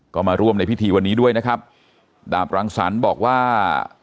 ก็มาร่วมในพิธีวันนี้ด้วยนะครับดาบรังสรรค์บอกว่า